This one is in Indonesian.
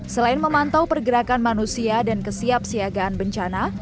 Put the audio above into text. selain memantau pergerakan manusia dan kesiap siagaan bencana